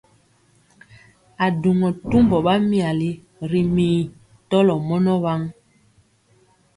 A duŋɔ tumbɔ ɓa myali ri mii tɔlɔ mɔnɔ waŋ.